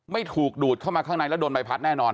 ไม่ถูกดูดเข้ามาข้างในแล้วโดนใบพัดแน่นอน